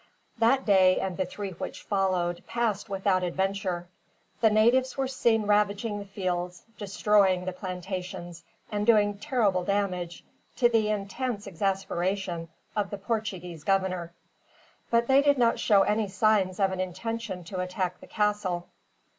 That day and the three which followed passed without adventure. The natives were seen ravaging the fields, destroying the plantations, and doing terrible damage, to the intense exasperation of the Portuguese governor. But they did not show any signs of an intention to attack the castle.